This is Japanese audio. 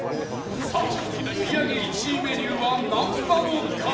さあ売り上げ１位メニューはなんなのか？